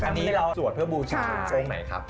อ๋ออออนี่เราสวดเพื่อบูชมรมของไหนครับ